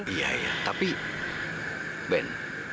iya tapi ben